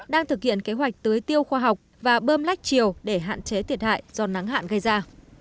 đang thực hiện kế hoạch tưới tiêu khoa học và bơm lách chiều để hạn chế thiệt hại do nắng hạn gây ra